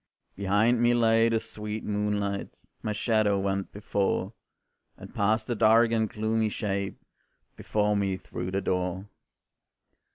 Behind me lay the sweet moonlight, My shadow went before, And passed a dark and gloomy shape Before me through the door.